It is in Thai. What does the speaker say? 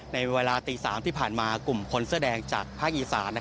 ในเวลาตี๓ที่ผ่านมากลุ่มคนเสื้อแดงจากภาคอีสาน